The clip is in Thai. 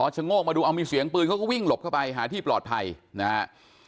โงกมาดูเอามีเสียงปืนเขาก็วิ่งหลบเข้าไปหาที่ปลอดภัยนะฮะ